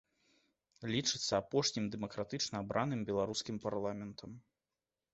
Лічыцца апошнім дэмакратычна абраным беларускім парламентам.